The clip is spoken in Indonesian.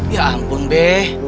ya ampun be